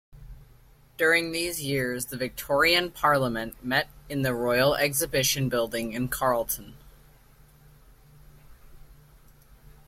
During these years the Victorian Parliament met in the Royal Exhibition Building in Carlton.